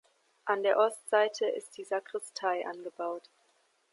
An der Ostseite ist die Sakristei angebaut.